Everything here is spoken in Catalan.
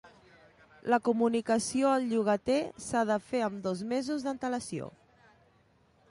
La comunicació al llogater s'ha de fer amb dos mesos d'antelació.